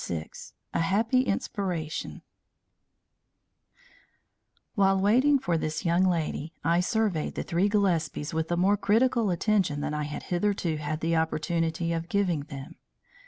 VI A HAPPY INSPIRATION While waiting for this young lady, I surveyed the three Gillespies with a more critical attention than I had hitherto had the opportunity of giving them.